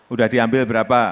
udah diambil berapa